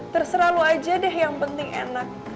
terserah lo aja deh yang penting enak